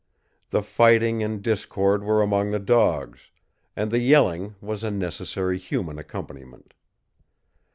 The fighting and discord were among the dogs, and the yelling was a necessary human accompaniment.